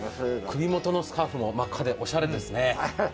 首元のスカーフ、真っ赤でおしゃれですね。